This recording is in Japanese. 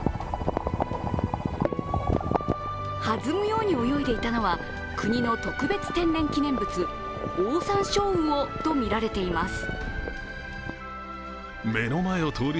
弾むように泳いでいたのは国の特別天然記念物オオサンショウウオとみられています。